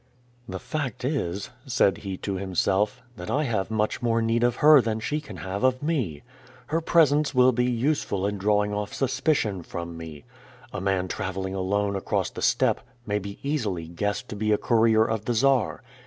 "The fact is," said he to himself, "that I have much more need of her than she can have of me. Her presence will be useful in drawing off suspicion from me. A man traveling alone across the steppe, may be easily guessed to be a courier of the Czar.